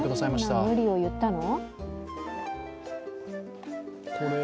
どんな無理を言ったの？